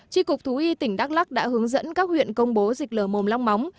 tri cục thú y tỉnh đắk lắc đã hướng dẫn các huyện công bố dịch lở mồm long móng